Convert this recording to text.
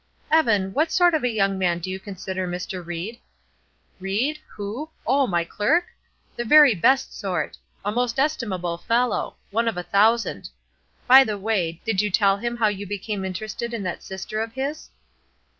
"Evan, what sort of a young man do you consider Mr. Ried?" "Ried? Who? Oh, my clerk? The very best sort; a most estimable fellow, one of a thousand. By the way, did you tell him how you became interested in that sister of his?"